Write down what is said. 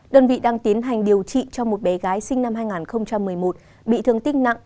đơn vị đang tiến hành điều trị cho một bé gái sinh năm hai nghìn một mươi một bị thương tích nặng